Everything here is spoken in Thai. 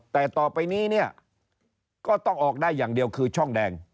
แต่ต่อไปนี้เนี่ยก็ต้องออกได้อย่างเดียวคือช่องแดง